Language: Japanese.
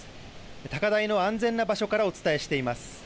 高台の安全な場所からお伝えしています。